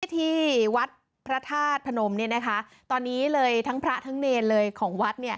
ที่ที่วัดพระธาตุพนมเนี่ยนะคะตอนนี้เลยทั้งพระทั้งเนรเลยของวัดเนี่ย